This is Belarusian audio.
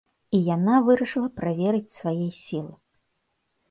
І яна вырашыла праверыць свае сілы.